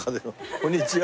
こんにちは。